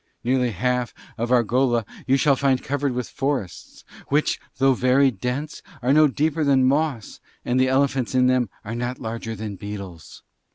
Nearly half of Argola you shall find covered with forests, which though very dense are no deeper than moss, and the elephants in them are not larger than beetles.